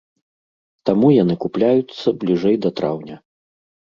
Таму яны купляюцца бліжэй да траўня.